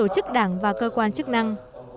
chức đảng và cơ quan chức năng